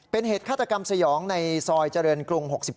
เป็นเหตุฆาตกรรมสยองในซอยเจริญกรุง๖๗